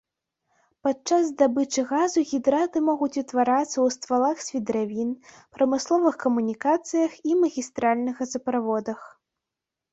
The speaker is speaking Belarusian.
Падчас здабычы газу гідраты могуць утварацца ў ствалах свідравін, прамысловых камунікацыях і магістральных газаправодах.